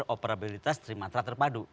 operabilitas trimantra terpadu